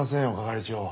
係長。